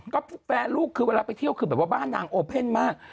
ก็แฟนลูกคือเวลาไปเที่ยวคือแบบว่าบ้านนางโอเพ่นมาก